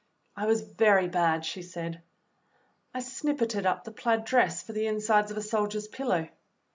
"I was very bad," she said. "I snippited up the plaid dress for the insides of a soldier's pillow."